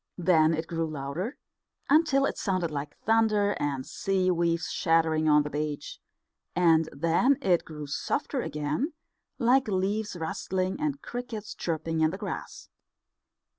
Then it grew louder, until it sounded like thunder and sea waves shattering on the beach; and then it grew softer again, like leaves rustling, and crickets chirping in the grass.